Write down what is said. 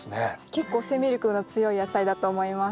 結構生命力の強い野菜だと思います。